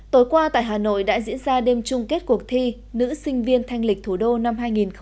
tối qua tại hà nội đã diễn ra đêm chung kết cuộc thi nữ sinh viên thanh lịch thủ đô năm hai nghìn một mươi chín